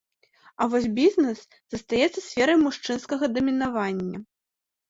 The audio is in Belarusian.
А вось бізнэс застаецца сферай мужчынскага дамінавання.